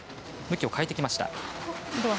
向きを変えてきました。